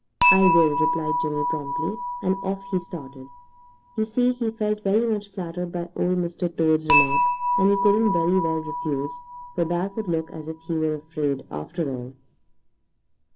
"I will," replied Jimmy promptly, and off he started. You see, he felt very much flattered by Old Mr. Toad's remark, and he couldn't very well refuse, for that would look as if he were afraid, after all.